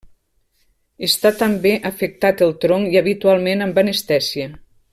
Està també afectat el tronc i habitualment amb anestèsia.